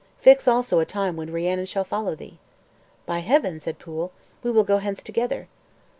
Fix also a time when Rhiannon shall follow thee." "By Heaven," said Pwyll, "we will go hence together."